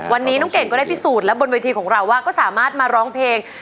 วันนี้น้องเก่งก็ได้พิสูจน์แล้วบนเวทีของเราว่าก็สามารถมาร้องเพลง